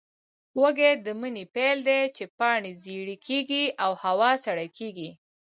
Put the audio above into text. وږی د مني پیل دی، چې پاڼې ژېړې کېږي او هوا سړه کېږي.